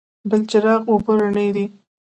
بلچراغ اوبه رڼې دي؟